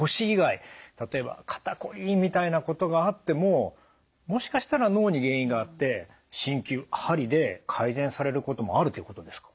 例えば「肩こり」みたいなことがあってももしかしたら脳に原因があって鍼灸鍼で改善されることもあるっていうことですか？